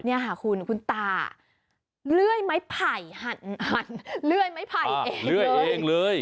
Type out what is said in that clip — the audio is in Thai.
เนี่ยคุณคุณตาเลื่อยไม้ไผ่หันเลื่อยไม้ไผ่เองเลย